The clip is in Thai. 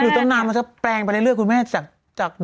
หรือตรงนั้นมันจะแปลงไปเรื่อยคุณแม่จาก